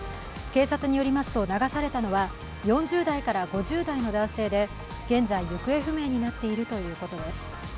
警察によりますと、流されたのは４０代から５０代の男性で現在、行方不明になっているということです。